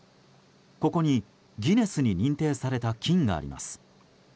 ここにギネスに認定された金があります。